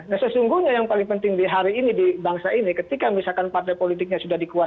nah sesungguhnya yang paling penting di hari ini di bangsa ini ketika misalkan partai politiknya sudah dikuasai